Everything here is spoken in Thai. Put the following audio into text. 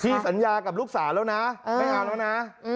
สัญญากับลูกสาวแล้วนะไม่เอาแล้วนะ